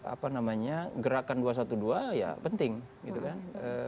apa namanya gerakan dua ratus dua belas ya penting gitu kan